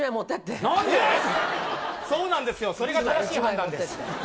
そうなんですよ、それが正しい判断です。